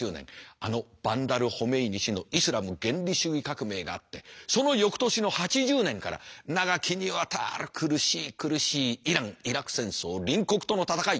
あのバンダル・ホメイニ師のイスラム原理主義革命があってその翌年の８０年から長きにわたる苦しい苦しいイラン・イラク戦争隣国との戦い。